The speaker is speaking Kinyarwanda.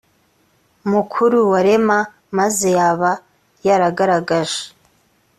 mukuru wa rema maze yaba yaragaragaje